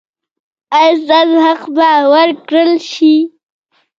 ایا ستاسو حق به ورکړل شي؟